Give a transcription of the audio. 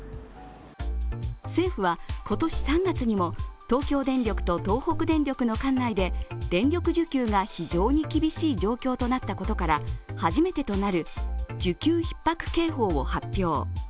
政府は今年３月にも、東京電力と東北電力の管内で電力需給が非常に厳しい状況となったことから、初めてとなる需給ひっ迫警報を発表。